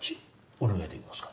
お願いできますか？